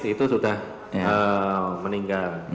itu sudah meninggal